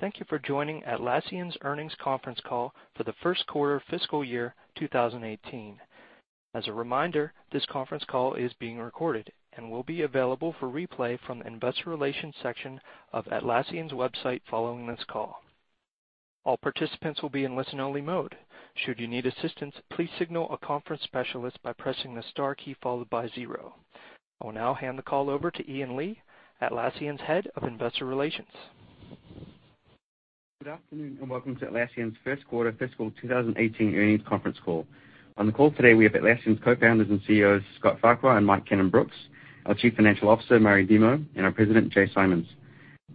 Thank you for joining Atlassian's earnings conference call for the first quarter of fiscal year 2018. As a reminder, this conference call is being recorded and will be available for replay from the investor relations section of Atlassian's website following this call. All participants will be in listen-only mode. Should you need assistance, please signal a conference specialist by pressing the star key followed by zero. I will now hand the call over to Ian Lee, Atlassian's Head of Investor Relations. Good afternoon. Welcome to Atlassian's first quarter fiscal 2018 earnings conference call. On the call today, we have Atlassian's Co-Founders and CEOs, Scott Farquhar and Mike Cannon-Brookes, our Chief Financial Officer, Murray Demo, and our President, Jay Simons.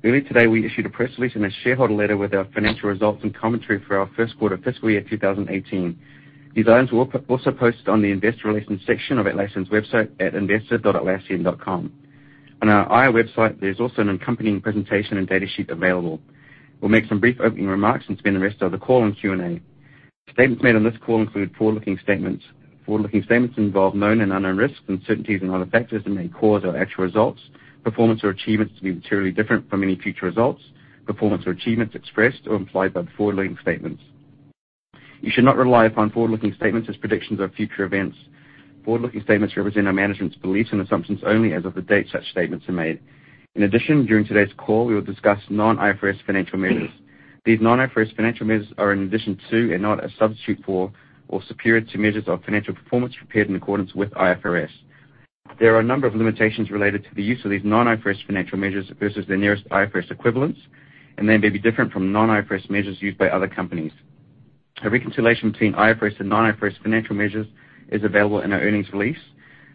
Earlier today, we issued a press release and a shareholder letter with our financial results and commentary for our first quarter fiscal year 2018. These items were also posted on the investor relations section of Atlassian's website at investor.atlassian.com. On our IR website, there's also an accompanying presentation and data sheet available. We'll make some brief opening remarks and spend the rest of the call on Q&A. Statements made on this call include forward-looking statements. Forward-looking statements involve known and unknown risks, uncertainties, and other factors that may cause our actual results, performance, or achievements to be materially different from any future results, performance, or achievements expressed or implied by the forward-looking statements. You should not rely upon forward-looking statements as predictions of future events. Forward-looking statements represent our management's beliefs and assumptions only as of the date such statements are made. In addition, during today's call, we will discuss non-IFRS financial measures. These non-IFRS financial measures are in addition to and not a substitute for or superior to measures of financial performance prepared in accordance with IFRS. There are a number of limitations related to the use of these non-IFRS financial measures versus their nearest IFRS equivalents. They may be different from non-IFRS measures used by other companies. A reconciliation between IFRS and non-IFRS financial measures is available in our earnings release,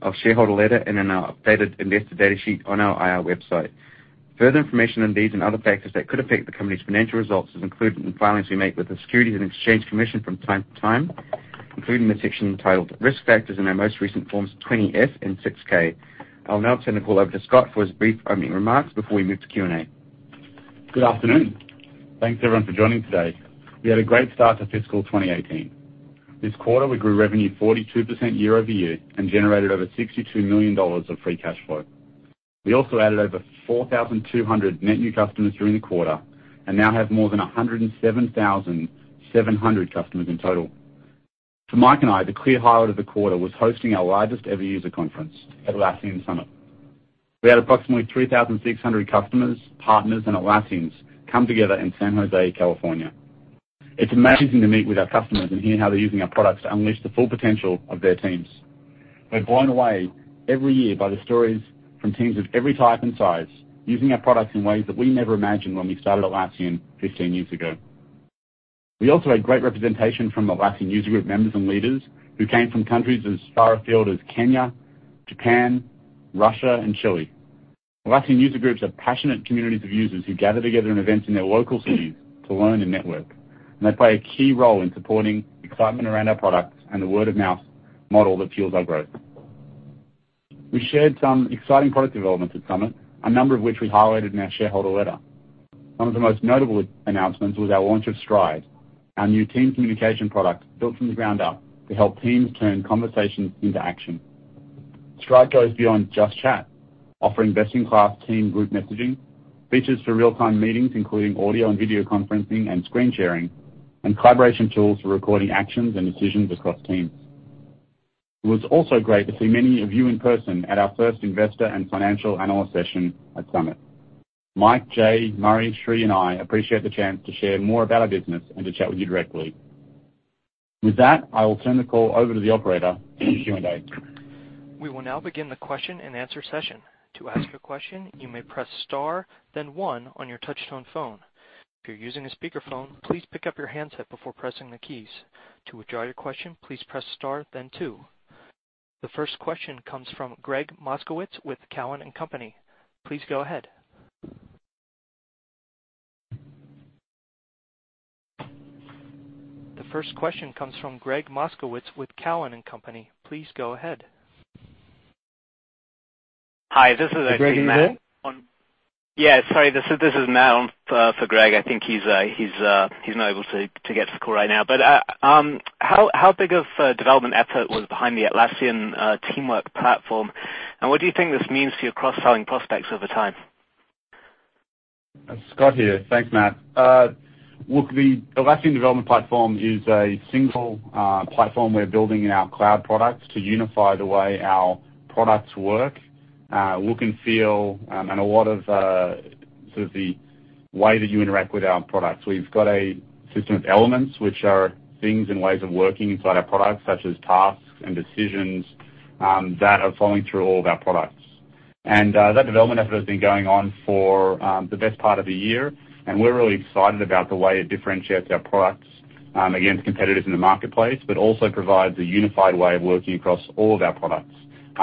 our shareholder letter, and in our updated investor data sheet on our IR website. Further information on these and other factors that could affect the company's financial results is included in filings we make with the Securities and Exchange Commission from time to time, including the section entitled Risk Factors in our most recent forms, 20-F and 6-K. I'll now turn the call over to Scott for his brief opening remarks before we move to Q&A. Good afternoon. Thanks, everyone, for joining today. We had a great start to fiscal 2018. This quarter, we grew revenue 42% year-over-year and generated over $62 million of free cash flow. We also added over 4,200 net new customers during the quarter and now have more than 107,700 customers in total. For Mike and I, the clear highlight of the quarter was hosting our largest-ever user conference, Atlassian Summit. We had approximately 3,600 customers, partners, and Atlassians come together in San Jose, California. It's amazing to meet with our customers and hear how they're using our products to unleash the full potential of their teams. We're blown away every year by the stories from teams of every type and size, using our products in ways that we never imagined when we started Atlassian 15 years ago. We also had great representation from Atlassian user group members and leaders who came from countries as far afield as Kenya, Japan, Russia, and Chile. Atlassian user groups are passionate communities of users who gather together in events in their local cities to learn and network. They play a key role in supporting excitement around our products and the word of mouth model that fuels our growth. We shared some exciting product developments at Summit, a number of which we highlighted in our shareholder letter. One of the most notable announcements was our launch of Stride, our new team communication product built from the ground up to help teams turn conversations into action. Stride goes beyond just chat, offering best-in-class team group messaging, features for real-time meetings, including audio and video conferencing and screen sharing. Collaboration tools for recording actions and decisions across teams. It was also great to see many of you in person at our first investor and financial analyst session at Summit. Mike, Jay, Murray, Sri, and I appreciate the chance to share more about our business and to chat with you directly. With that, I will turn the call over to the operator for Q&A. We will now begin the question and answer session. To ask a question, you may press star, then one on your touchtone phone. If you're using a speakerphone, please pick up your handset before pressing the keys. To withdraw your question, please press star, then two. The first question comes from Gregg Moskowitz with Cowen and Company. Please go ahead. Hi. This is actually Matt. Is Gregg there? Yeah. Sorry. This is Matt for Gregg. I think he's not able to get to the call right now. How big of a development effort was behind the Atlassian teamwork platform, and what do you think this means for your cross-selling prospects over time? Scott here. Thanks, Matt. Look, the Atlassian development platform is a single platform we're building in our cloud products to unify the way our products work, look and feel, and a lot of sort of the way that you interact with our products. We've got a system of elements, which are things and ways of working inside our products, such as tasks and decisions, that are flowing through all of our products. That development effort has been going on for the best part of the year, and we're really excited about the way it differentiates our products against competitors in the marketplace, but also provides a unified way of working across all of our products,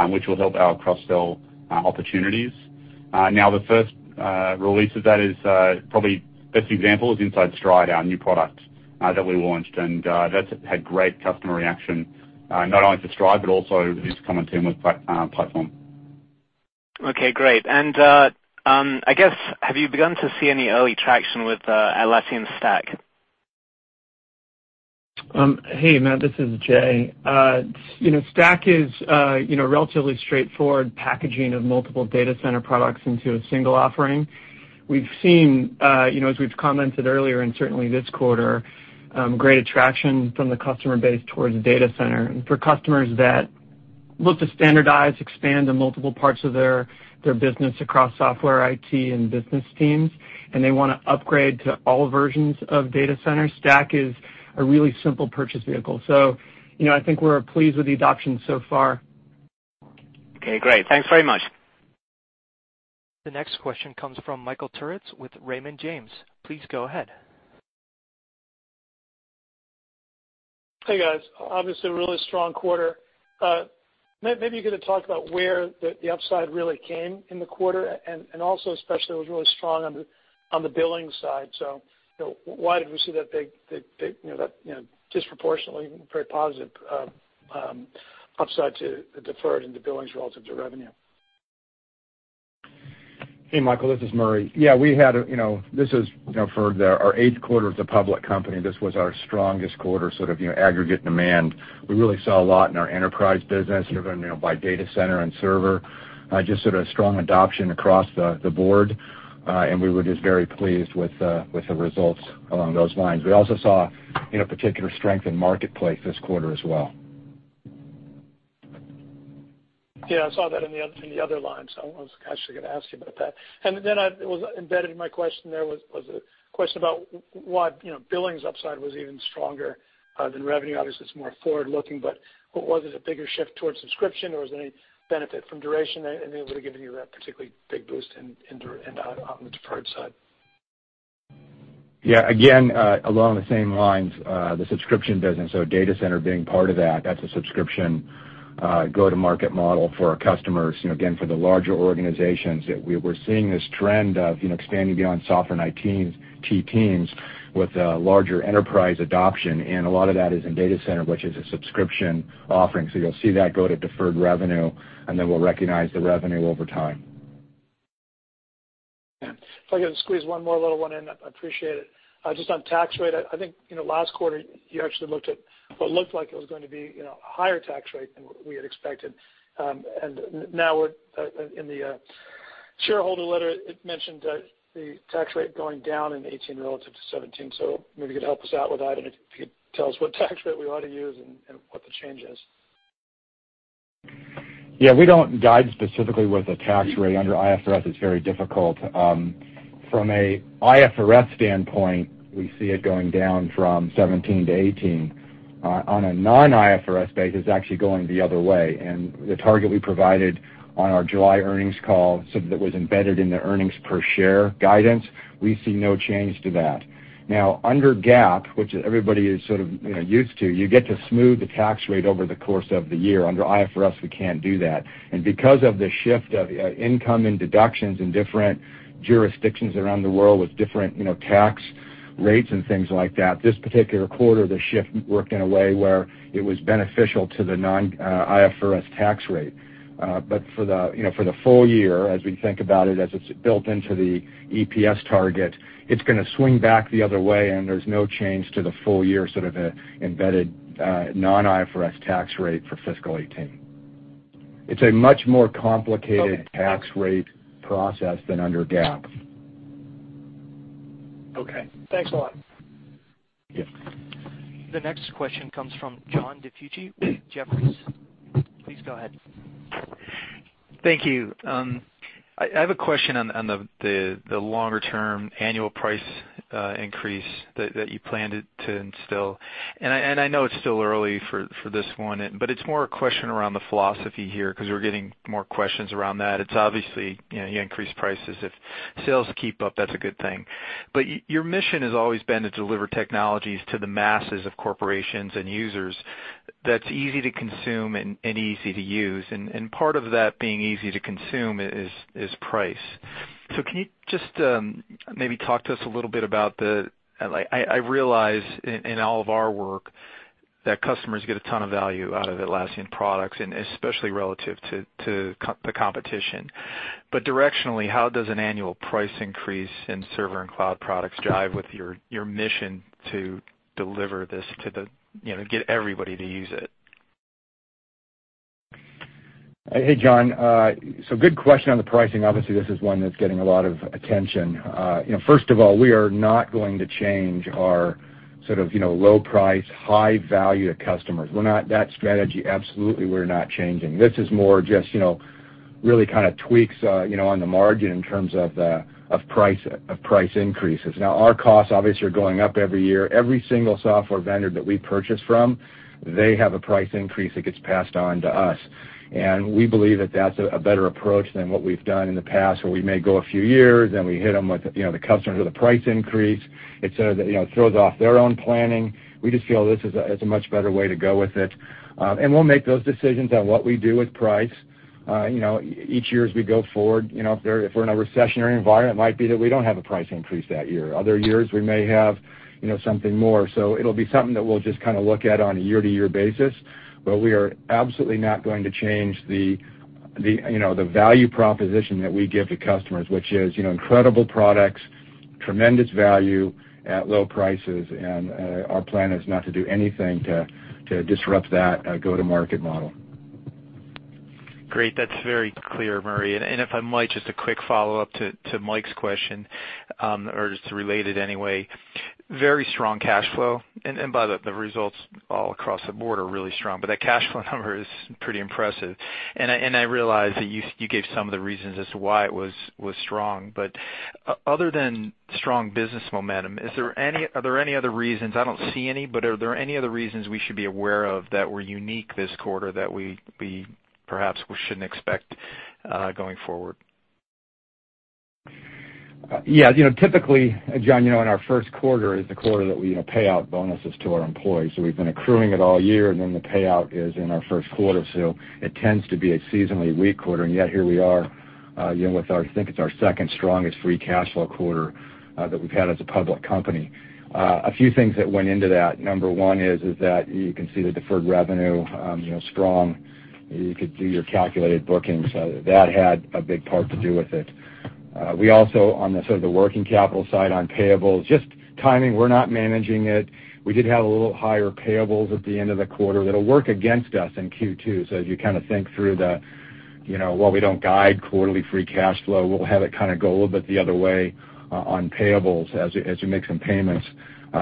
which will help our cross-sell opportunities. The first release of that is probably the best example is inside Stride, our new product that we launched, and that's had great customer reaction, not only for Stride, but also this common Teamwork Platform. Okay, great. I guess, have you begun to see any early traction with Atlassian Stack? Hey, Matt, this is Jay. Stack is relatively straightforward packaging of multiple Data Center products into a single offering. We've seen, as we've commented earlier and certainly this quarter, great attraction from the customer base towards Data Center. For customers that look to standardize, expand in multiple parts of their business across software, IT, and business teams, and they want to upgrade to all versions of Data Center, Stack is a really simple purchase vehicle. I think we're pleased with the adoption so far. Okay, great. Thanks very much. The next question comes from Michael Turrin with Raymond James. Please go ahead. Hey, guys. Obviously a really strong quarter. Maybe you could talk about where the upside really came in the quarter, and also especially it was really strong on the billing side. Why did we see that disproportionately very positive upside to the deferred into billings relative to revenue? Hey, Michael, this is Murray. Yeah, for our eighth quarter as a public company, this was our strongest quarter sort of aggregate demand. We really saw a lot in our enterprise business, driven by Data Center and server, just sort of strong adoption across the board. We were just very pleased with the results along those lines. We also saw particular strength in marketplace this quarter as well. Yeah, I saw that in the other line. I was actually going to ask you about that. Embedded in my question there was a question about why billings upside was even stronger than revenue. Obviously, it's more forward-looking, but was it a bigger shift towards subscription, or was there any benefit from duration, anything that would have given you that particularly big boost on the deferred side? Yeah. Again, along the same lines, the subscription business, so Data Center being part of that's a subscription go-to-market model for our customers, again, for the larger organizations. We're seeing this trend of expanding beyond software and IT teams with larger enterprise adoption, and a lot of that is in Data Center, which is a subscription offering. You'll see that go to deferred revenue, and then we'll recognize the revenue over time. Yeah. If I could squeeze one more little one in, I'd appreciate it. Just on tax rate, I think last quarter, you actually looked at what looked like it was going to be a higher tax rate than what we had expected. Now in the shareholder letter, it mentioned the tax rate going down in 2018 relative to 2017. Maybe you could help us out with that, and if you could tell us what tax rate we ought to use and what the change is. Yeah. We don't guide specifically with a tax rate. Under IFRS, it's very difficult. From a IFRS standpoint, we see it going down from 2017 to 2018. On a non-IFRS base, it's actually going the other way. The target we provided on our July earnings call, that was embedded in the earnings per share guidance, we see no change to that. Now, under GAAP, which everybody is sort of used to, you get to smooth the tax rate over the course of the year. Under IFRS, we can't do that. Because of the shift of income and deductions in different jurisdictions around the world with different tax rates and things like that, this particular quarter, the shift worked in a way where it was beneficial to the non-IFRS tax rate. For the full year, as we think about it, as it's built into the EPS target, it's going to swing back the other way, there's no change to the full-year sort of embedded non-IFRS tax rate for fiscal 2018. It's a much more complicated. Okay tax rate process than under GAAP. Okay. Thanks a lot. Yeah. The next question comes from John DiFucci, Jefferies. Please go ahead. Thank you. I have a question on the longer-term annual price increase that you planned to instill. I know it's still early for this one, but it's more a question around the philosophy here because we're getting more questions around that. It's obviously, you increase prices. If sales keep up, that's a good thing. Your mission has always been to deliver technologies to the masses of corporations and users that's easy to consume and easy to use. Part of that being easy to consume is price. Can you just maybe talk to us a little bit about I realize in all of our work that customers get a ton of value out of Atlassian products, and especially relative to the competition. Directionally, how does an annual price increase in server and cloud products jibe with your mission to get everybody to use it? Hey, John. Good question on the pricing. Obviously, this is one that's getting a lot of attention. First of all, we are not going to change our sort of low price, high value to customers. That strategy, absolutely, we're not changing. This is more just really kind of tweaks on the margin in terms of price increases. Our costs obviously are going up every year. Every single software vendor that we purchase from, they have a price increase that gets passed on to us. We believe that that's a better approach than what we've done in the past, where we may go a few years, and we hit them with the customers with a price increase. It sort of throws off their own planning. We just feel this is a much better way to go with it. We'll make those decisions on what we do with price each year as we go forward. If we're in a recessionary environment, it might be that we don't have a price increase that year. Other years, we may have something more. It'll be something that we'll just kind of look at on a year-to-year basis. We are absolutely not going to change the value proposition that we give to customers, which is incredible products, tremendous value at low prices. Our plan is not to do anything to disrupt that go-to-market model. Great. That's very clear, Murray. If I might, just a quick follow-up to Mike's question, or just related anyway. Very strong cash flow. By the results all across the board are really strong, but that cash flow number is pretty impressive. I realize that you gave some of the reasons as to why it was strong, but other than strong business momentum, are there any other reasons? I don't see any, but are there any other reasons we should be aware of that were unique this quarter that we perhaps we shouldn't expect going forward? Typically, John, in our first quarter is the quarter that we payout bonuses to our employees. We've been accruing it all year, the payout is in our first quarter, it tends to be a seasonally weak quarter. Yet here we are, with I think it's our second strongest free cash flow quarter that we've had as a public company. A few things that went into that. Number one is that you can see the deferred revenue, strong. You could do your calculated bookings. That had a big part to do with it. We also, on the sort of the working capital side on payables, just timing. We're not managing it. We did have a little higher payables at the end of the quarter. That'll work against us in Q2. As you think through the, while we don't guide quarterly free cash flow, we'll have it go a little bit the other way on payables as we make some payments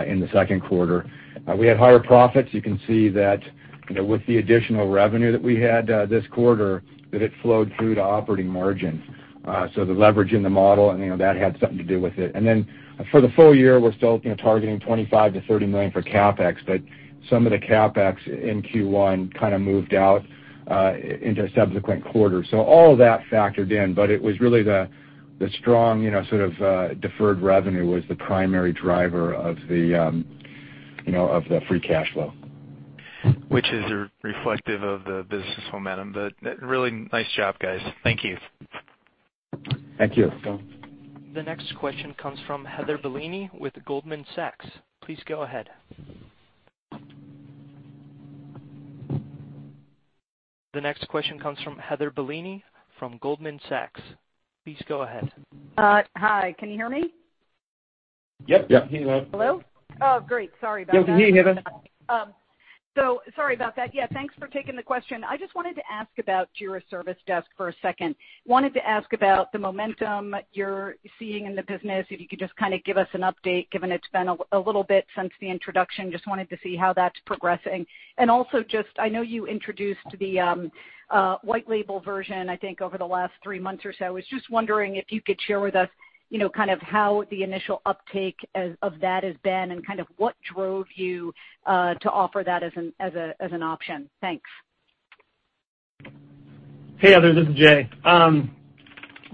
in the second quarter. We had higher profits. You can see that with the additional revenue that we had this quarter, that it flowed through to operating margin. The leverage in the model, that had something to do with it. For the full year, we're still targeting $25 million-$30 million for CapEx, but some of the CapEx in Q1 moved out into a subsequent quarter. All of that factored in, but it was really the strong sort of deferred revenue was the primary driver of the free cash flow. Which is reflective of the business momentum. Really nice job, guys. Thank you. Thank you. The next question comes from Heather Bellini with Goldman Sachs. Please go ahead. The next question comes from Heather Bellini from Goldman Sachs. Please go ahead. Hi, can you hear me? Yep. Yep. Can hear you well. Hello? Oh, great. Sorry about that. We can hear you, Heather. Sorry about that. Yeah, thanks for taking the question. I just wanted to ask about Jira Service Desk for a second. Wanted to ask about the momentum you're seeing in the business. If you could just give us an update, given it's been a little bit since the introduction, just wanted to see how that's progressing. Also just, I know you introduced the white label version, I think over the last three months or so. I was just wondering if you could share with us, how the initial uptake of that has been and what drove you to offer that as an option. Thanks. Hey, Heather, this is Jay.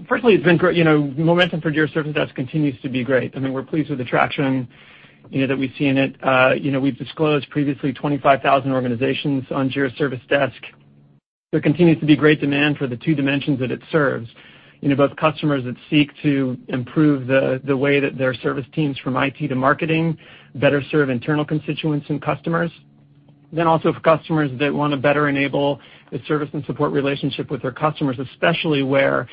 Personally, momentum for Jira Service Desk continues to be great. I mean, we're pleased with the traction that we see in it. We've disclosed previously 25,000 organizations on Jira Service Desk. There continues to be great demand for the two dimensions that it serves. Both customers that seek to improve the way that their service teams from IT to marketing better serve internal constituents and customers. Then also for customers that want to better enable the service and support relationship with their customers, especially where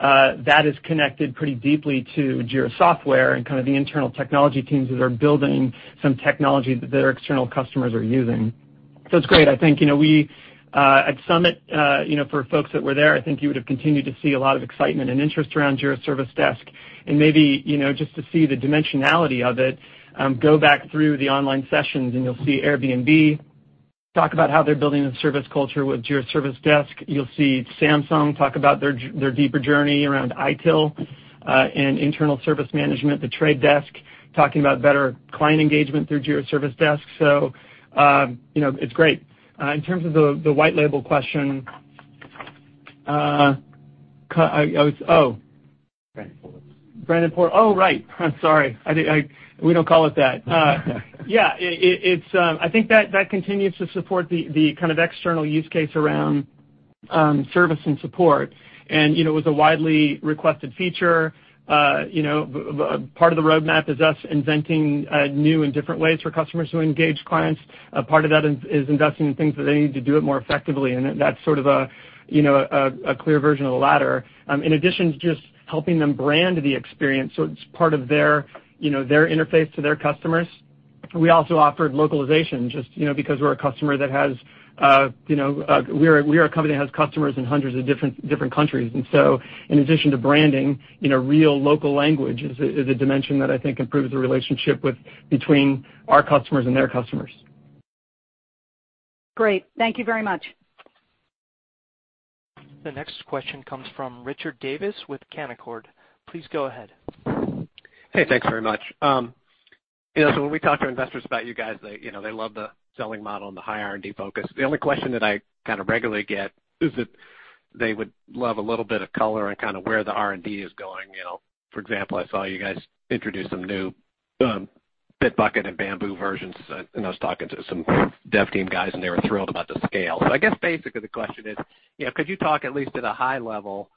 that is connected pretty deeply to Jira Software and the internal technology teams that are building some technology that their external customers are using. It's great. I think, at Atlassian Summit, for folks that were there, I think you would have continued to see a lot of excitement and interest around Jira Service Desk. Maybe, just to see the dimensionality of it, go back through the online sessions, and you'll see Airbnb talk about how they're building a service culture with Jira Service Desk. You'll see Samsung talk about their deeper journey around ITIL, and internal service management. The Trade Desk talking about better client engagement through Jira Service Desk. It's great. In terms of the white label question. brand portal. brand portal. Oh, right. Sorry. We don't call it that. Yeah. I think that continues to support the kind of external use case around service and support. It was a widely requested feature. Part of the roadmap is us inventing new and different ways for customers to engage clients. Part of that is investing in things that they need to do it more effectively, and that's sort of a clear version of the latter. In addition to just helping them brand the experience, so it's part of their interface to their customers. We also offered localization just because we're a company that has customers in hundreds of different countries. In addition to branding, real local language is a dimension that I think improves the relationship between our customers and their customers. Great. Thank you very much. The next question comes from Richard Davis with Canaccord. Please go ahead. Hey, thanks very much. When we talk to investors about you guys, they love the selling model and the high R&D focus. The only question that I regularly get is that they would love a little bit of color on where the R&D is going. For example, I saw you guys introduce some new Bitbucket and Bamboo versions, and I was talking to some dev team guys, and they were thrilled about the scale. I guess basically the question is, could you talk at least at a high level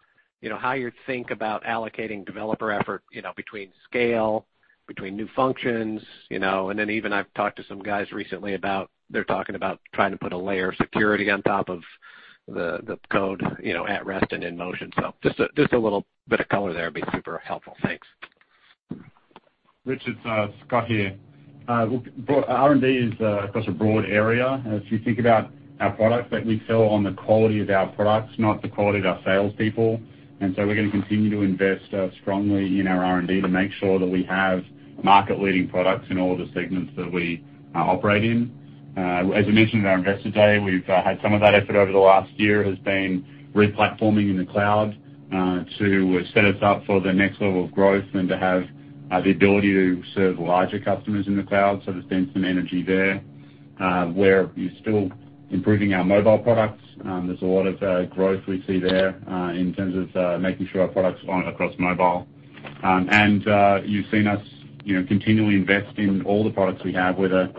how you think about allocating developer effort between scale, between new functions, and then even I've talked to some guys recently about, they're talking about trying to put a layer of security on top of the code at rest and in motion. Just a little bit of color there would be super helpful. Thanks. Richard, Scott here. R&D is, of course, a broad area. If you think about our products, that we sell on the quality of our products, not the quality of our salespeople. We're going to continue to invest strongly in our R&D to make sure that we have market-leading products in all the segments that we operate in. As we mentioned at our Investor Day, we've had some of that effort over the last year has been re-platforming in the cloud, to set us up for the next level of growth and to have the ability to serve larger customers in the cloud. There's been some energy there. We're still improving our mobile products. There's a lot of growth we see there in terms of making sure our products are across mobile. You've seen us continually invest in all the products we have, whether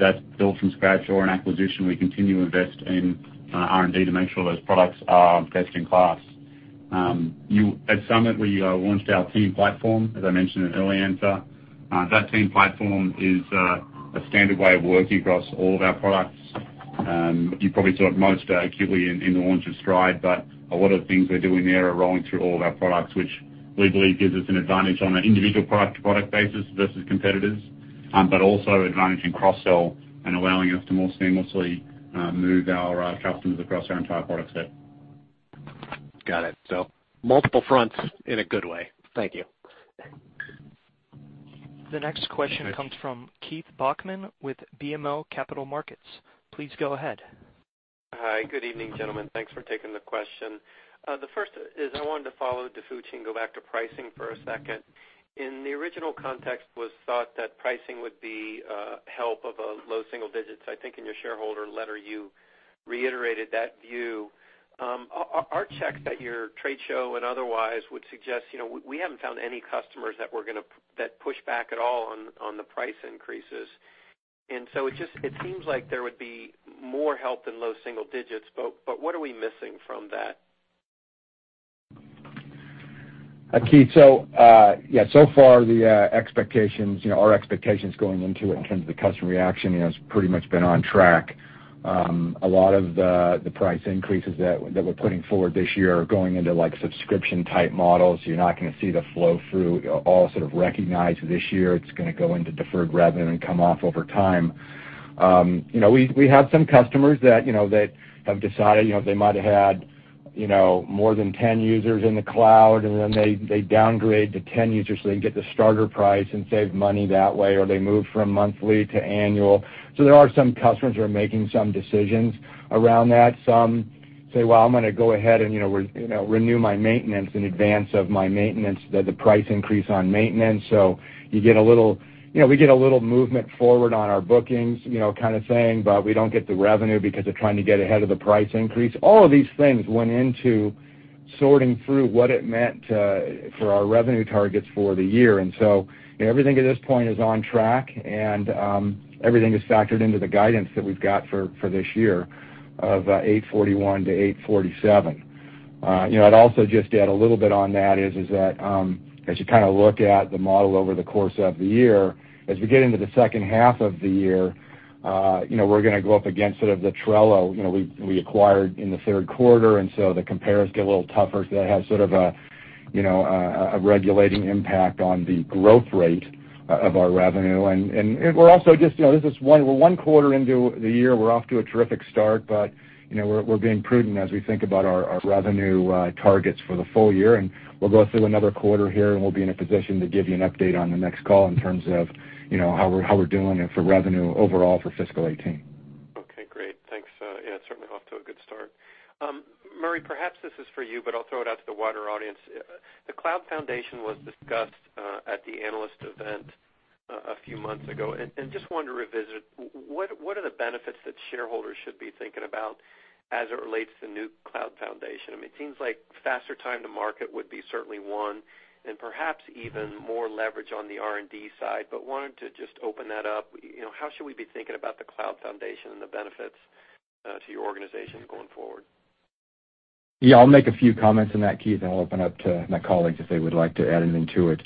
that's built from scratch or an acquisition. We continue to invest in R&D to make sure those products are best in class. At Summit, we launched our Team Platform, as I mentioned in an earlier answer. That Team Platform is a standard way of working across all of our products. You probably saw it most acutely in the launch of Stride, a lot of the things we're doing there are rolling through all of our products, which we believe gives us an advantage on an individual product-to-product basis versus competitors, but also advantage in cross-sell and allowing us to more seamlessly move our customers across our entire product set. Got it. Multiple fronts in a good way. Thank you. The next question comes from Keith Bachman with BMO Capital Markets. Please go ahead. Hi. Good evening, gentlemen. Thanks for taking the question. The first is I wanted to follow DiFucci and go back to pricing for a second. In the original context was thought that pricing would be help above low single digits. I think in your shareholder letter, you reiterated that view. Our checks at your trade show and otherwise would suggest, we haven't found any customers that push back at all on the price increases. It seems like there would be more help than low single digits, but what are we missing from that? Keith, so far our expectations going into it in terms of the customer reaction, has pretty much been on track. A lot of the price increases that we're putting forward this year are going into subscription-type models. You're not going to see the flow-through all sort of recognized this year. It's going to go into deferred revenue and come off over time. We have some customers that have decided, they might have had more than 10 users in the cloud, and then they downgrade to 10 users, so they can get the starter price and save money that way, or they move from monthly to annual. There are some customers who are making some decisions around that. Some say, "Well, I'm going to go ahead and renew my maintenance in advance of my maintenance, the price increase on maintenance." We get a little movement forward on our bookings kind of thing, but we don't get the revenue because they're trying to get ahead of the price increase. All of these things went into sorting through what it meant for our revenue targets for the year. Everything at this point is on track, and everything is factored into the guidance that we've got for this year of $841 million-$847 million. I'd also just add a little bit on that is that, as you look at the model over the course of the year, as we get into the second half of the year, we're going to go up against sort of the Trello we acquired in the third quarter. the compares get a little tougher. They have sort of a regulating impact on the growth rate of our revenue. We're one quarter into the year. We're off to a terrific start, but we're being prudent as we think about our revenue targets for the full year. We'll go through another quarter here, and we'll be in a position to give you an update on the next call in terms of how we're doing and for revenue overall for fiscal 2018. Okay, great. Thanks. Yeah, certainly off to a good start. Murray, perhaps this is for you, but I'll throw it out to the wider audience. The cloud foundation was discussed at the analyst event a few months ago, and just wanted to revisit, what are the benefits that shareholders should be thinking about as it relates to new cloud foundation? It seems like faster time to market would be certainly one, and perhaps even more leverage on the R&D side, but wanted to just open that up. How should we be thinking about the cloud foundation and the benefits to your organization going forward? Yeah, I'll make a few comments on that, Keith, and I'll open up to my colleagues if they would like to add anything to it.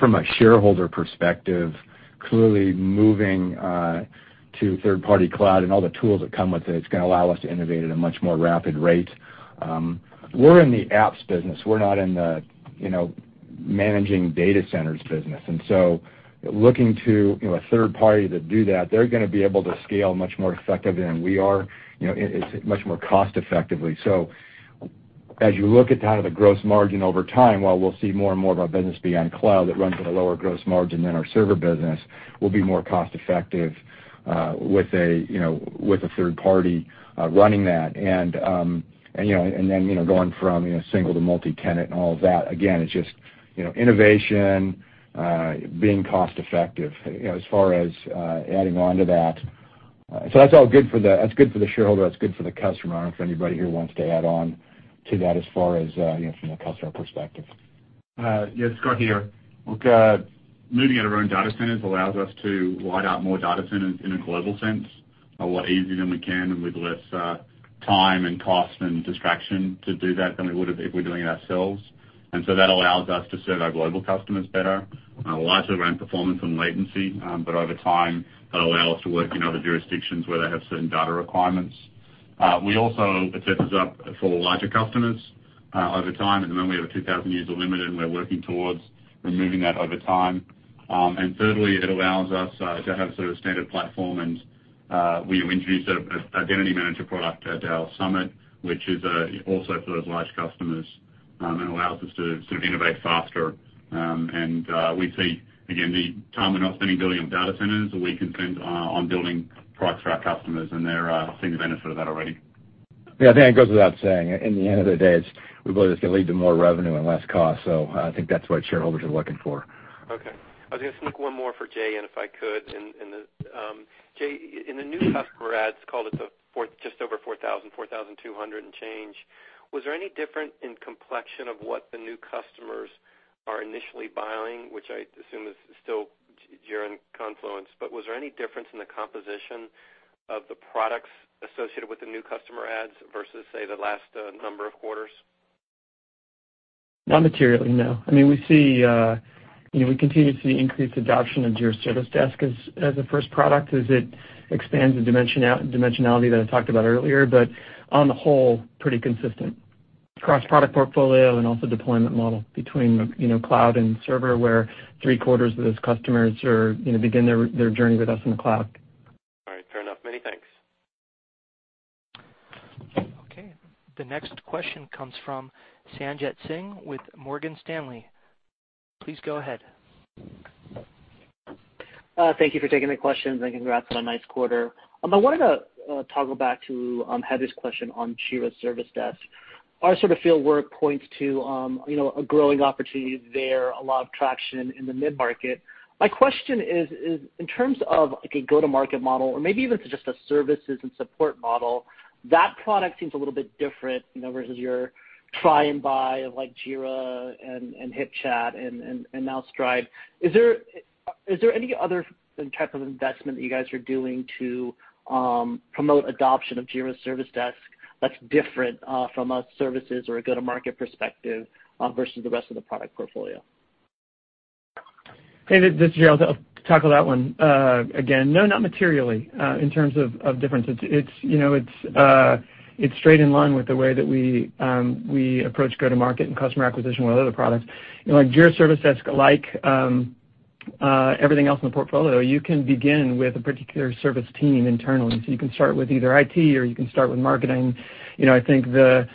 From a shareholder perspective, clearly moving to third-party cloud and all the tools that come with it's going to allow us to innovate at a much more rapid rate. We're in the apps business. We're not in the managing data centers business, looking to a third party to do that, they're going to be able to scale much more effectively than we are, much more cost effectively. As you look at the gross margin over time, while we'll see more and more of our business be on cloud that runs at a lower gross margin than our server business, we'll be more cost effective with a third party running that. going from single to multi-tenant and all of that, again, it's just innovation, being cost effective as far as adding on to that. That's good for the shareholder, that's good for the customer. I don't know if anybody here wants to add on to that as far as from a customer perspective. Yeah, Scott here. Look, moving out of our own data centers allows us to wide out more data centers in a global sense, a lot easier than we can and with less time and cost and distraction to do that than we would if we're doing it ourselves. That allows us to serve our global customers better. It allows us around performance and latency. Over time, that'll allow us to work in other jurisdictions where they have certain data requirements. It sets us up for larger customers over time. At the moment, we have a 2,000 user limit, and we're working towards removing that over time. Thirdly, it allows us to have sort of standard platform and We introduced an Identity Manager product at our Atlassian Summit, which is also for those large customers, and allows us to innovate faster. We see, again, the time we're not spending building on data centers, we can spend on building products for our customers, and they're seeing the benefit of that already. Yeah, I think it goes without saying. In the end of the day, we believe it's going to lead to more revenue and less cost. I think that's what shareholders are looking for. Okay. I was going to sneak one more for Jay in, if I could. Jay, in the new customer adds, call it just over 4,000, 4,200 and change, was there any difference in complexion of what the new customers are initially buying, which I assume is still Jira and Confluence, but was there any difference in the composition of the products associated with the new customer adds versus, say, the last number of quarters? Not materially, no. We continue to see increased adoption of Jira Service Desk as a first product, as it expands the dimensionality that I talked about earlier. On the whole, pretty consistent. Across product portfolio and also deployment model between cloud and server, where three-quarters of those customers begin their journey with us in the cloud. All right. Fair enough. Many thanks. Okay. The next question comes from Sanjit Singh with Morgan Stanley. Please go ahead. Thank you for taking the questions, congrats on a nice quarter. I wanted to toggle back to Heather's question on Jira Service Desk. Our sort of field work points to a growing opportunity there, a lot of traction in the mid-market. My question is, in terms of, like a go-to-market model, or maybe even just a services and support model, that product seems a little bit different, versus your try and buy of like Jira and HipChat and now Stride. Is there any other type of investment that you guys are doing to promote adoption of Jira Service Desk that's different from a services or a go-to-market perspective versus the rest of the product portfolio? Hey, this is Jay. I'll tackle that one. Again, no, not materially, in terms of difference. It's straight in line with the way that we approach go-to-market and customer acquisition with our other products. Jira Service Desk, like everything else in the portfolio, you can begin with a particular service team internally. You can start with either IT, or you can start with marketing. I think the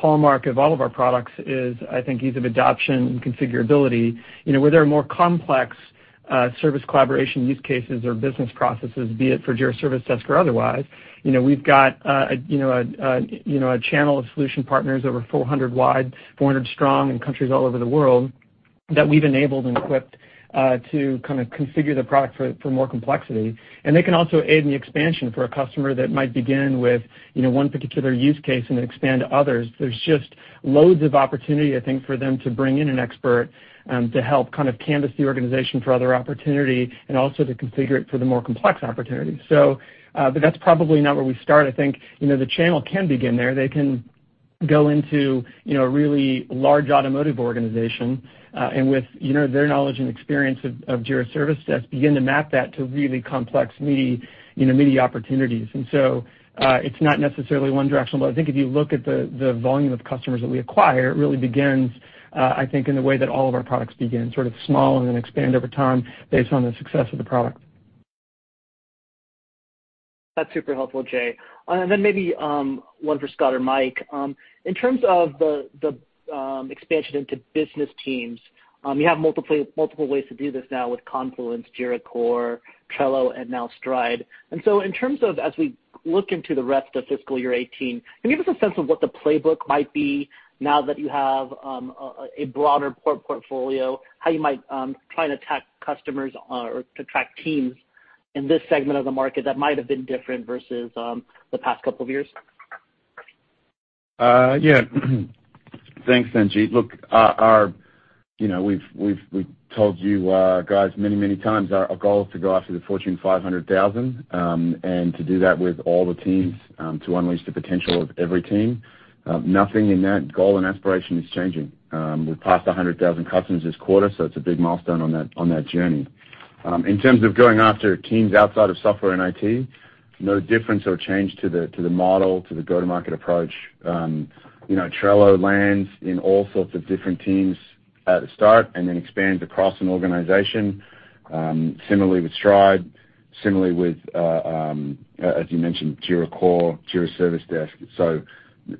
hallmark of all of our products is ease of adoption and configurability. Where there are more complex service collaboration use cases or business processes, be it for Jira Service Desk or otherwise, we've got a channel of solution partners over 400 wide, 400 strong in countries all over the world, that we've enabled and equipped to kind of configure the product for more complexity. They can also aid in the expansion for a customer that might begin with one particular use case and then expand to others. There's just loads of opportunity, I think, for them to bring in an expert to help kind of canvas the organization for other opportunity, and also to configure it for the more complex opportunities. That's probably not where we start. I think, the channel can begin there. They can go into a really large automotive organization, and with their knowledge and experience of Jira Service Desk, begin to map that to really complex meaty opportunities. It's not necessarily one directional, I think if you look at the volume of customers that we acquire, it really begins in the way that all of our products begin, sort of small and then expand over time based on the success of the product. That's super helpful, Jay. Maybe one for Scott or Mike. In terms of the expansion into business teams, you have multiple ways to do this now with Confluence, Jira Core, Trello, and now Stride. In terms of as we look into the rest of FY 2018, can you give us a sense of what the playbook might be now that you have a broader portfolio, how you might try and attack customers or attract teams in this segment of the market that might have been different versus the past couple of years? Yeah. Thanks, Sanjit. Look, we've told you guys many, many times, our goal is to go after the Fortune 500000, to do that with all the teams, to unleash the potential of every team. Nothing in that goal and aspiration is changing. We passed 100,000 customers this quarter, so it's a big milestone on that journey. In terms of going after teams outside of software and IT, no difference or change to the model, to the go-to-market approach. Trello lands in all sorts of different teams at the start and then expands across an organization. Similarly with Stride, similarly with, as you mentioned, Jira Core, Jira Service Desk.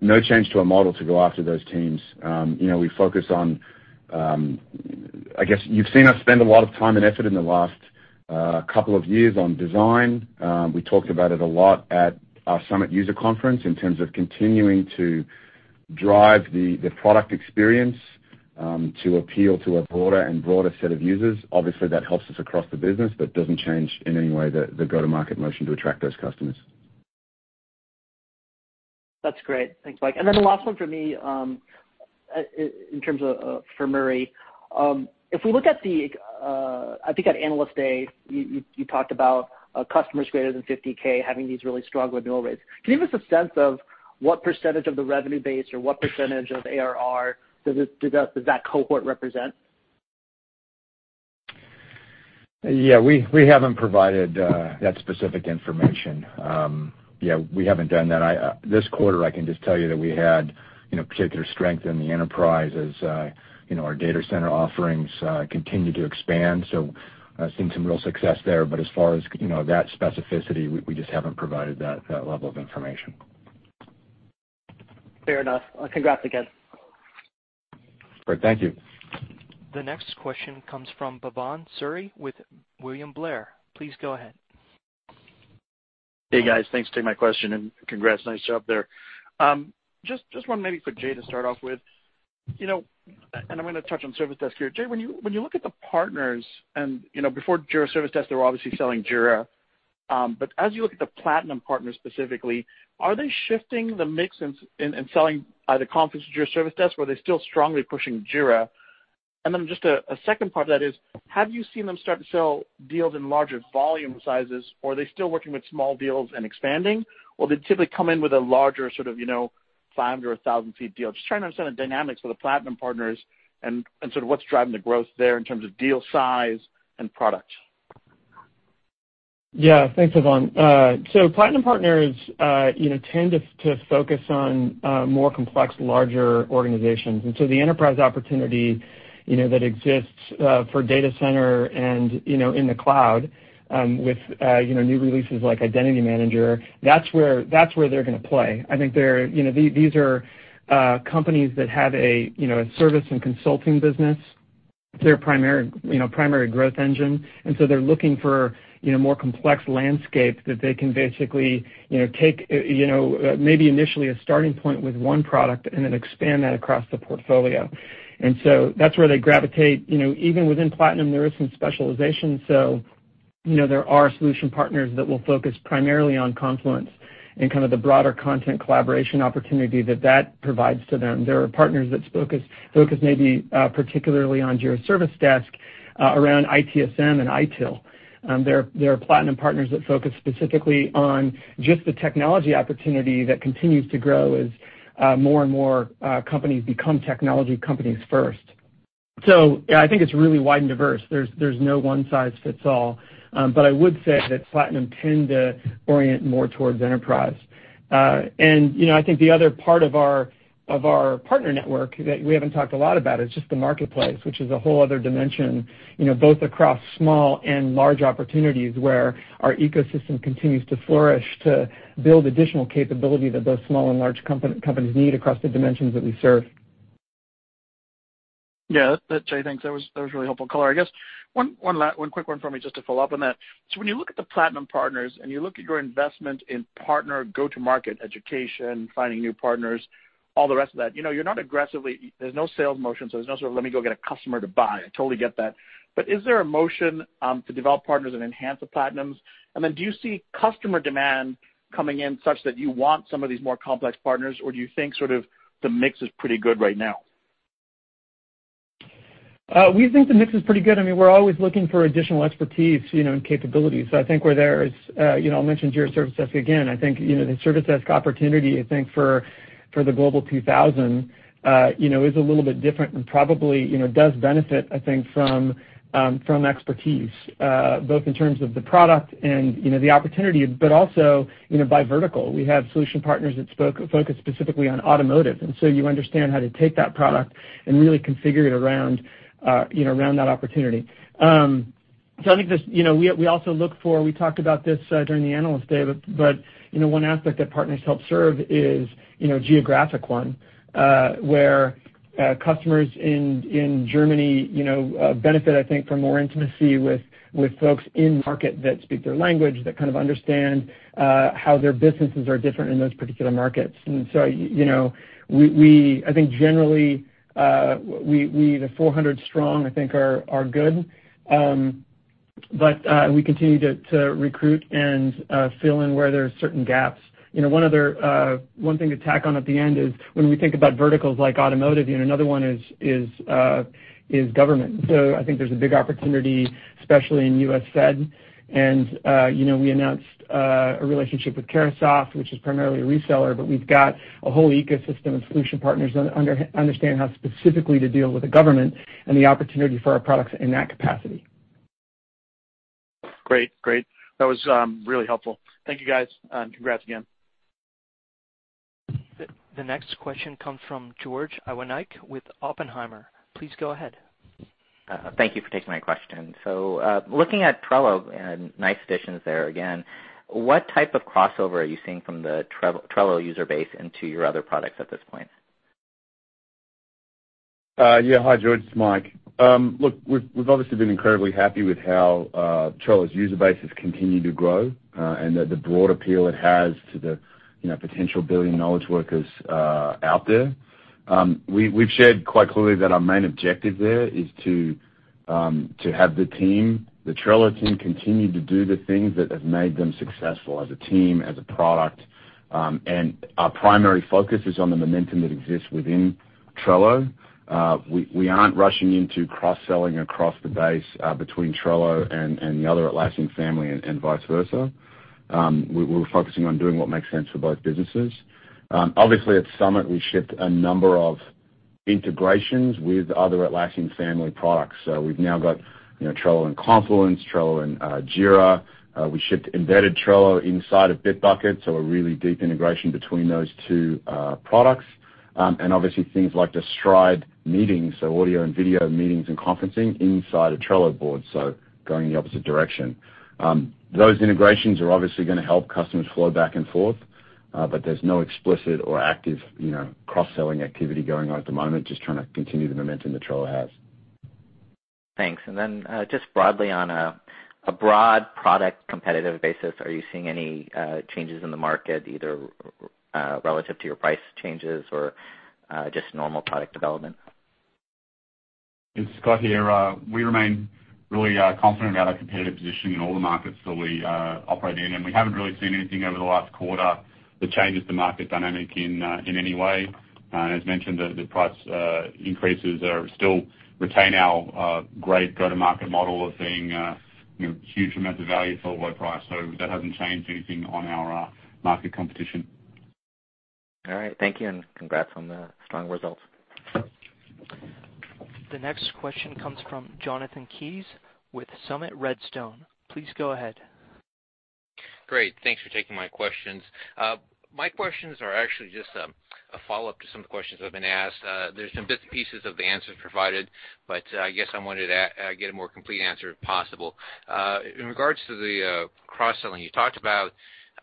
No change to our model to go after those teams. We focus on, you've seen us spend a lot of time and effort in the last couple of years on design. We talked about it a lot at our Summit user conference in terms of continuing to drive the product experience to appeal to a broader and broader set of users. Obviously, that helps us across the business, doesn't change in any way the go-to-market motion to attract those customers. That's great. Thanks, Mike. The last one for me, in terms of for Murray. If we look at, I think at Analyst Day, you talked about customers greater than 50,000 having these really strong renewal rates. Can you give us a sense of what % of the revenue base or what % of ARR does that cohort represent? We haven't provided that specific information. We haven't done that. This quarter, I can just tell you that we had particular strength in the enterprise as our Data Center offerings continue to expand. I've seen some real success there. As far as that specificity, we just haven't provided that level of information. Fair enough. Congrats again. Great. Thank you. The next question comes from Bhavan Suri with William Blair. Please go ahead. Hey, guys. Thanks for taking my question. Congrats. Nice job there. Just one maybe for Jay to start off with. I'm going to touch on Jira Service Desk here. Jay, when you look at the partners and before Jira Service Desk, they were obviously selling Jira. As you look at the platinum partners specifically, are they shifting the mix in selling either Confluence or Jira Service Desk, or are they still strongly pushing Jira? Just a second part of that is, have you seen them start to sell deals in larger volume sizes, or are they still working with small deals and expanding? Do they typically come in with a larger sort of, 500 or 1,000-seat deal? Just trying to understand the dynamics for the platinum partners and sort of what's driving the growth there in terms of deal size and product. Yeah. Thanks, Bhavan. Platinum partners tend to focus on more complex, larger organizations. The enterprise opportunity that exists for Data Center and in the cloud, with new releases like Identity Manager, that's where they're going to play. I think these are companies that have a service and consulting business. It's their primary growth engine. They're looking for more complex landscapes that they can basically take maybe initially a starting point with one product and then expand that across the portfolio. That's where they gravitate. Even within platinum, there is some specialization. There are solution partners that will focus primarily on Confluence and kind of the broader content collaboration opportunity that that provides to them. There are partners that focus maybe particularly on Jira Service Desk around ITSM and ITIL. There are platinum partners that focus specifically on just the technology opportunity that continues to grow as more and more companies become technology companies first. Yeah, I think it's really wide and diverse. There's no one size fits all. I would say that platinum tend to orient more towards enterprise. I think the other part of our partner network that we haven't talked a lot about is just the marketplace, which is a whole other dimension, both across small and large opportunities where our ecosystem continues to flourish to build additional capability that both small and large companies need across the dimensions that we serve. Yeah. Jay, thanks. That was a really helpful color. I guess one quick one for me, just to follow up on that. When you look at the platinum partners and you look at your investment in partner go-to-market education, finding new partners, all the rest of that, you're not aggressively-- there's no sales motion, so there's no sort of, let me go get a customer to buy. I totally get that. Is there a motion to develop partners and enhance the platinums? Then do you see customer demand coming in such that you want some of these more complex partners, or do you think sort of the mix is pretty good right now? We think the mix is pretty good. I mean, we're always looking for additional expertise and capabilities. I think where there is-- I'll mention Jira Service Desk again. I think the Jira Service Desk opportunity, I think for the Global 2000 is a little bit different and probably does benefit, I think, from expertise, both in terms of the product and the opportunity, but also by vertical. We have solution partners that focus specifically on automotive, you understand how to take that product and really configure it around that opportunity. I think we also look for, we talked about this during the Analyst Day, one aspect that partners help serve is geographic one, where customers in Germany benefit, I think, from more intimacy with folks in market that speak their language, that kind of understand how their businesses are different in those particular markets. I think generally, the 400 strong I think are good. We continue to recruit and fill in where there's certain gaps. One thing to tack on at the end is when we think about verticals like automotive, another one is government. I think there's a big opportunity, especially in U.S. Fed. We announced a relationship with Carahsoft, which is primarily a reseller, but we've got a whole ecosystem of solution partners that understand how specifically to deal with the government and the opportunity for our products in that capacity. Great. That was really helpful. Thank you, guys. Congrats again. The next question comes from George Iwanyc with Oppenheimer. Please go ahead. Thank you for taking my question. Looking at Trello and nice additions there again, what type of crossover are you seeing from the Trello user base into your other products at this point? Yeah. Hi, George. It's Mike. Look, we've obviously been incredibly happy with how Trello's user base has continued to grow, and the broad appeal it has to the potential billion knowledge workers out there. We've shared quite clearly that our main objective there is to have the team, the Trello team, continue to do the things that have made them successful as a team, as a product. Our primary focus is on the momentum that exists within Trello. We aren't rushing into cross-selling across the base between Trello and the other Atlassian family and vice versa. We're focusing on doing what makes sense for both businesses. Obviously, at Summit, we shipped a number of integrations with other Atlassian family products. We've now got Trello and Confluence, Trello and Jira. We shipped embedded Trello inside of Bitbucket, so a really deep integration between those two products. Obviously things like the Stride meetings, so audio and video meetings and conferencing inside a Trello board, so going in the opposite direction. Those integrations are obviously going to help customers flow back and forth, there's no explicit or active cross-selling activity going on at the moment. Just trying to continue the momentum that Trello has. Thanks. Then just broadly on a broad product competitive basis, are you seeing any changes in the market, either relative to your price changes or just normal product development? It's Scott here. We remain really confident about our competitive positioning in all the markets that we operate in, we haven't really seen anything over the last quarter that changes the market dynamic in any way. As mentioned, the price increases still retain our great go-to-market model of seeing huge amounts of value for low price. That hasn't changed anything on our market competition. All right. Thank you, congrats on the strong results. The next question comes from Jonathan Kees with Summit Redstone. Please go ahead. Great. Thanks for taking my questions. My questions are actually just a follow-up to some of the questions that have been asked. There's some bits and pieces of the answers provided, but I guess I wanted to get a more complete answer, if possible. In regards to the cross-selling, you talked about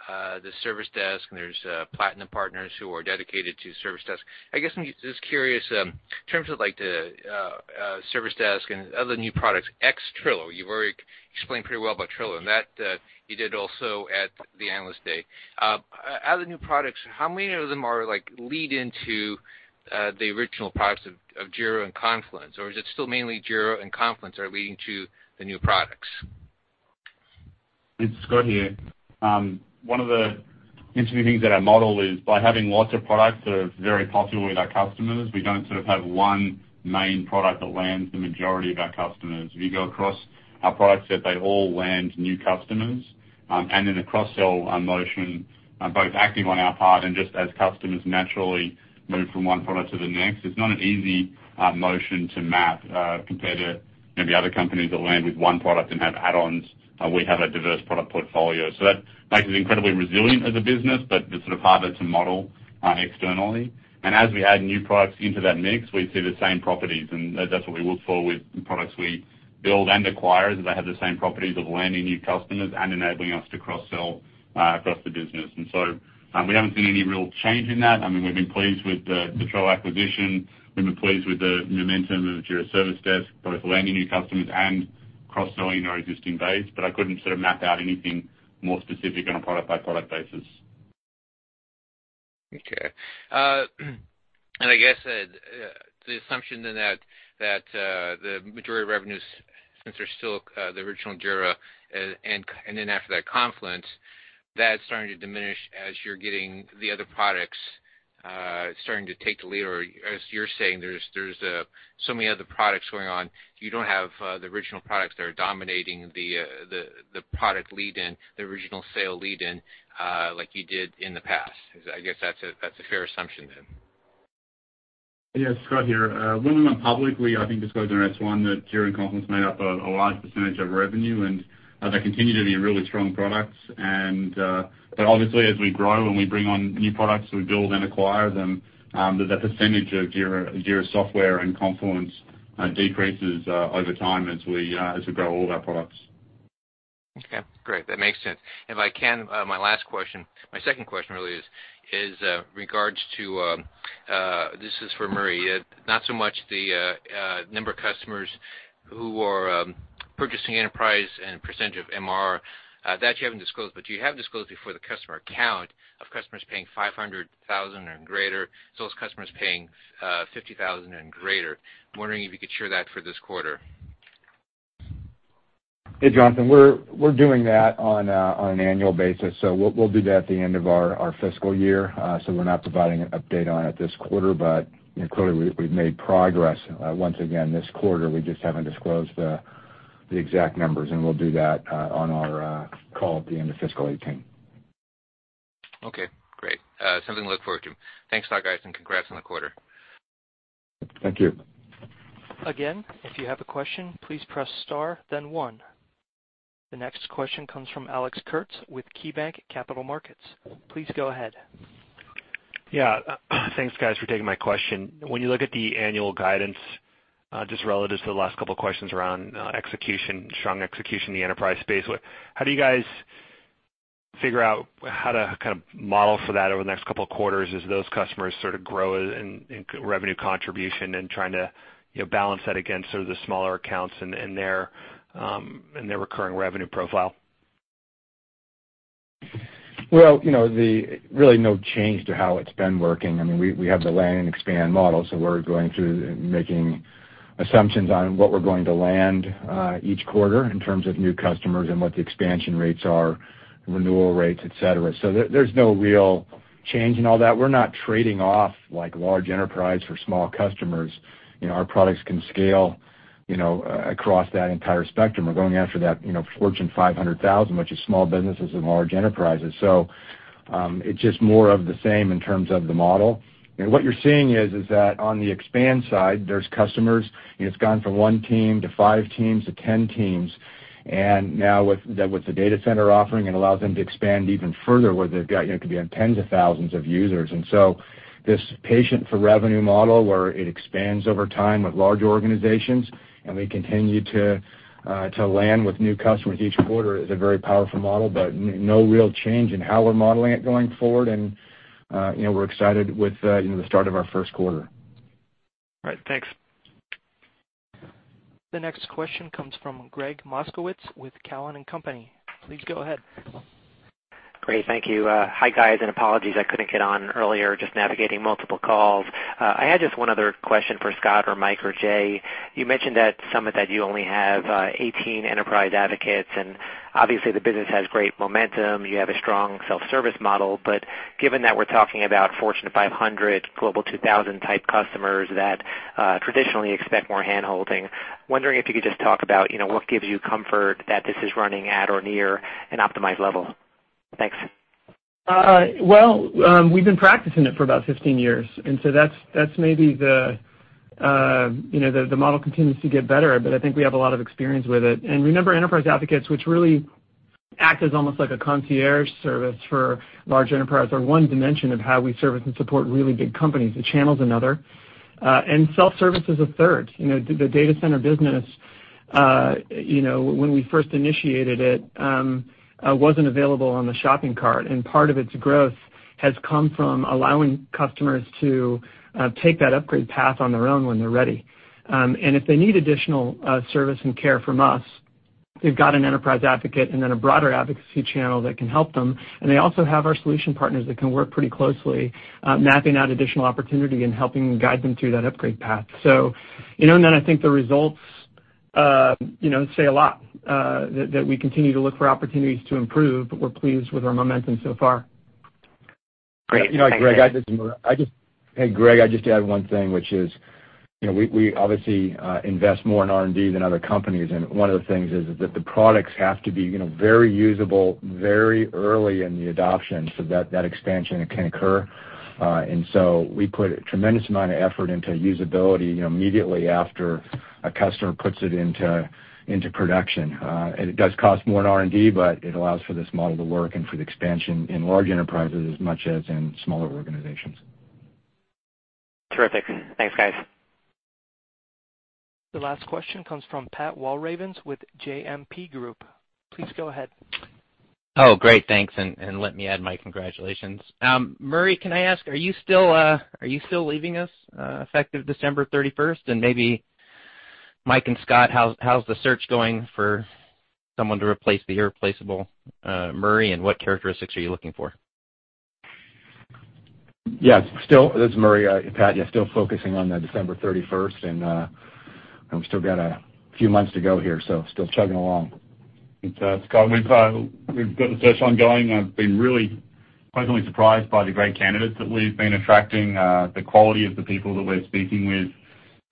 the service desk, and there's platinum partners who are dedicated to service desk. I guess I'm just curious in terms of the service desk and other new products, ex-Trello. You've already explained pretty well about Trello, and that you did also at the Analyst Day. Out of the new products, how many of them lead into the original products of Jira and Confluence? Or is it still mainly Jira and Confluence are leading to the new products? It's Scott here. One of the interesting things that our model is by having lots of products that are very popular with our customers, we don't sort of have one main product that lands the majority of our customers. If you go across our product set, they all land new customers. In a cross-sell motion, both acting on our part and just as customers naturally move from one product to the next, it's not an easy motion to map compared to maybe other companies that land with one product and have add-ons. We have a diverse product portfolio. That makes us incredibly resilient as a business, but it's sort of harder to model externally. As we add new products into that mix, we see the same properties, and that's what we look for with the products we build and acquire, is they have the same properties of landing new customers and enabling us to cross-sell across the business. We haven't seen any real change in that. I mean, we've been pleased with the Trello acquisition. We've been pleased with the momentum of Jira Service Desk, both landing new customers and cross-selling our existing base. I couldn't sort of map out anything more specific on a product-by-product basis. I guess the assumption then that the majority of revenues, since they're still the original Jira, and then after that, Confluence, that's starting to diminish as you're getting the other products, starting to take the lead, or as you're saying, there's so many other products going on, you don't have the original products that are dominating the product lead-in, the original sale lead-in, like you did in the past. I guess that's a fair assumption, then. Yeah. Scott here. When we went public, we, I think disclosed in our S1 that Jira and Confluence made up a large percentage of revenue, and they continue to be really strong products. Obviously, as we grow and we bring on new products, we build and acquire them, that the percentage of Jira Software and Confluence decreases over time as we grow all of our products. Okay, great. That makes sense. If I can, my last question, my second question really is, regards to. This is for Murray. Not so much the number of customers who are purchasing enterprise and percentage of MR. That you haven't disclosed, but you have disclosed before the customer count of customers paying $500,000 and greater, as well as customers paying $50,000 and greater. I'm wondering if you could share that for this quarter. Hey, Jonathan. We're doing that on an annual basis. We'll do that at the end of our fiscal year. We're not providing an update on it this quarter, but clearly, we've made progress once again this quarter. We just haven't disclosed the exact numbers, and we'll do that on our call at the end of fiscal 2018. Okay, great. Something to look forward to. Thanks, guys, and congrats on the quarter. Thank you. Again, if you have a question, please press star then one. The next question comes from Alex Kurtz with KeyBanc Capital Markets. Please go ahead. Yeah. Thanks, guys, for taking my question. When you look at the annual guidance, just relative to the last couple of questions around execution, strong execution in the enterprise space, how do you guys figure out how to kind of model for that over the next couple of quarters as those customers sort of grow in revenue contribution and trying to balance that against sort of the smaller accounts and their recurring revenue profile? Well, really no change to how it's been working. I mean, we have the land and expand model, we're going through making assumptions on what we're going to land each quarter in terms of new customers and what the expansion rates are, renewal rates, et cetera. There's no real change in all that. We're not trading off like large enterprise for small customers. Our products can scale across that entire spectrum. We're going after that Fortune 500,000, which is small businesses and large enterprises. It's just more of the same in terms of the model. What you're seeing is that on the expand side, there's customers, and it's gone from one team to 5 teams to 10 teams. Now with the Data Center offering, it allows them to expand even further where they've got, it could be on tens of thousands of users. [inaudible] where it expands over time with large organizations, and we continue to land with new customers each quarter is a very powerful model, but no real change in how we're modeling it going forward. We're excited with the start of our first quarter. All right. Thanks. The next question comes from Gregg Moskowitz with Cowen and Company. Please go ahead. Great. Thank you. Hi, guys, apologies, I couldn't get on earlier, just navigating multiple calls. I had just one other question for Scott or Mike or Jay. You mentioned at Atlassian Summit that you only have 18 enterprise advocates. Obviously the business has great momentum. You have a strong self-service model. Given that we're talking about Fortune 500, Global 2000-type customers that traditionally expect more hand-holding, wondering if you could just talk about what gives you comfort that this is running at or near an optimized level. Thanks. Well, we've been practicing it for about 15 years. That's maybe the model continues to get better. I think we have a lot of experience with it. Remember, enterprise advocates, which really act as almost like a concierge service for large enterprise, are one dimension of how we service and support really big companies. The channel's another. Self-service is a third. The Data Center business, when we first initiated it, wasn't available on the shopping cart. Part of its growth has come from allowing customers to take that upgrade path on their own when they're ready. If they need additional service and care from us, they've got an enterprise advocate and then a broader advocacy channel that can help them. They also have our solution partners that can work pretty closely, mapping out additional opportunity and helping guide them through that upgrade path. I think the results say a lot that we continue to look for opportunities to improve. We're pleased with our momentum so far. Great. Thanks, guys. Hey, Gregg, I'd just add one thing, which is we obviously invest more in R&D than other companies, and one of the things is that the products have to be very usable, very early in the adoption so that expansion can occur. We put a tremendous amount of effort into usability immediately after a customer puts it into production. It does cost more in R&D, but it allows for this model to work and for the expansion in large enterprises as much as in smaller organizations. Terrific. Thanks, guys. The last question comes from Patrick Walravens with JMP Group. Please go ahead. Oh, great. Thanks. Let me add my congratulations. Murray, can I ask, are you still leaving us effective December 31st? Maybe Mike and Scott, how's the search going for someone to replace the irreplaceable Murray, and what characteristics are you looking for? Yes, this is Murray. Pat, yeah, still focusing on the December 31st. We've still got a few months to go here, still chugging along. Scott, we've got the search ongoing. I've been really pleasantly surprised by the great candidates that we've been attracting, the quality of the people that we're speaking with.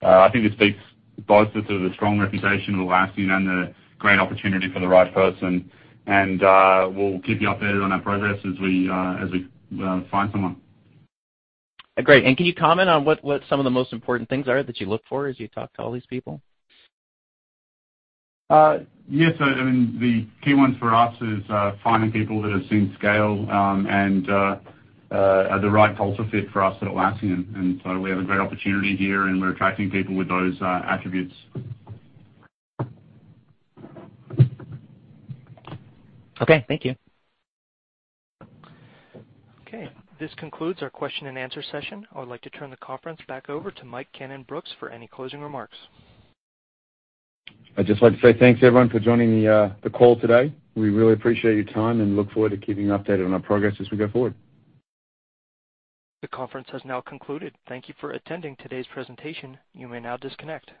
I think this speaks both to the strong reputation of Atlassian and the great opportunity for the right person. We'll keep you updated on our progress as we find someone. Great. Can you comment on what some of the most important things are that you look for as you talk to all these people? Yes. The key ones for us is finding people that have seen scale and are the right culture fit for us at Atlassian. We have a great opportunity here, and we're attracting people with those attributes. Okay, thank you. Okay. This concludes our question and answer session. I would like to turn the conference back over to Mike Cannon-Brookes for any closing remarks. I'd just like to say thanks, everyone, for joining the call today. We really appreciate your time and look forward to keeping you updated on our progress as we go forward. The conference has now concluded. Thank you for attending today's presentation. You may now disconnect.